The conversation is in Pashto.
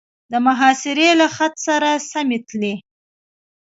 د محاصرې له خط سره سمې تلې.